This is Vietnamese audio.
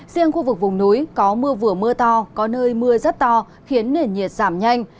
riêng khu vực vùng núi có mưa vừa mưa to có nơi mưa rất to khiến nền nhiệt giảm nhanh